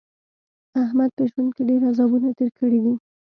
احمد په ژوند کې ډېر عذابونه تېر کړي دي.